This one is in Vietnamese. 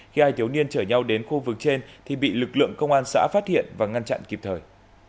khi hai thiếu niên chở nhau đến khu vực trên thì bị lực lượng công an xã phát hiện và ngăn chặn kịp thời